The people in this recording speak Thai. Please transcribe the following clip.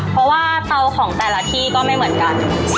เพราะว่าเตาของแต่ละที่ก็ไม่เหมือนกัน